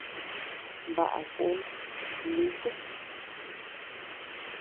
Baʼa kun niku.